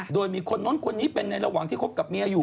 โดยมีคนนู้นคนนี้เป็นในระหว่างที่คบกับเมียอยู่